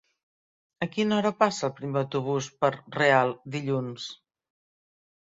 A quina hora passa el primer autobús per Real dilluns?